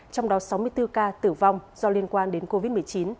trong đó sáu mươi bốn ca tử vong do liên quan đến covid một mươi chín